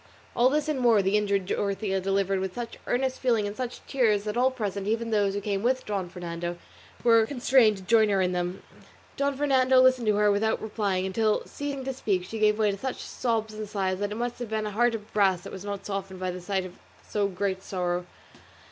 All this and more the injured Dorothea delivered with such earnest feeling and such tears that all present, even those who came with Don Fernando, were constrained to join her in them. Don Fernando listened to her without replying, until, ceasing to speak, she gave way to such sobs and sighs that it must have been a heart of brass that was not softened by the sight of so great sorrow.